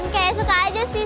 kayak suka aja sih